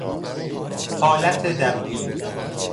حالت درونی